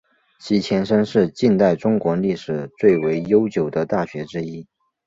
其前身是近代中国历史最为悠久的大学之一。